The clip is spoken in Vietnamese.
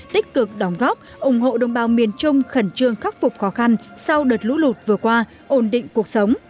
tích cực đóng góp ủng hộ đồng bào miền trung khẩn trương khắc phục khó khăn sau đợt lũ lụt vừa qua ổn định cuộc sống